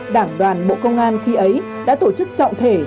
đảng đoàn bộ công an khi ấy đã tổ chức trọng thể